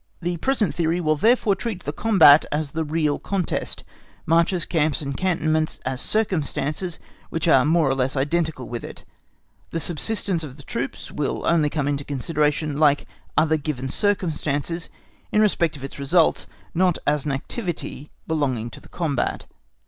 The present theory will therefore treat the combat as the real contest, marches, camps, and cantonments as circumstances which are more or less identical with it. The subsistence of the troops will only come into consideration like other given circumstances in respect of its results, not as an activity belonging to the combat.